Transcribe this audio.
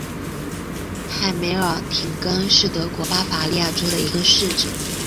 海梅尔廷根是德国巴伐利亚州的一个市镇。